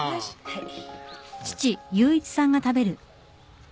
はい。